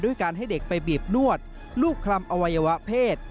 การให้เด็กไปบีบนวดรูปคลำอวัยวะเพศ